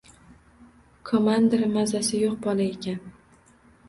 Komandiri mazasi yo‘q bola ekan!